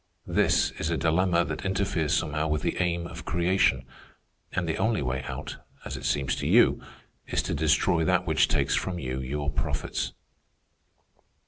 This is a dilemma that interferes somehow with the aim of creation, and the only way out, as it seems to you, is to destroy that which takes from you your profits.